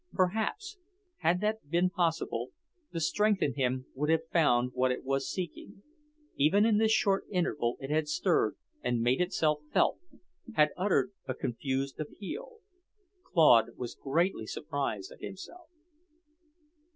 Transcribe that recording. Perhaps, had that been possible, the strength in him would have found what it was seeking; even in this short interval it had stirred and made itself felt, had uttered a confused appeal. Claude was greatly surprised at himself.